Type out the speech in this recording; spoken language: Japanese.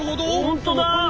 本当だ。